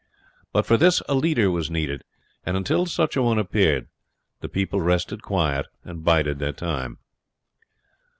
But for this a leader was needed, and until such a one appeared the people rested quiet and bided their time.